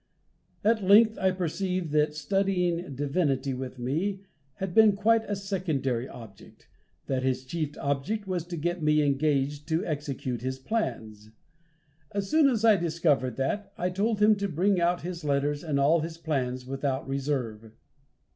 At length I perceived that studying divinity with me had been quite a secondary object, that his chief object was to get me engaged to execute his plans. As soon as I discovered that, I told him to bring out his letters and all his plans, without reserve."